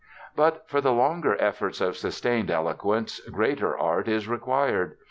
But for the longer efforts of sustained eloquence greater art is required.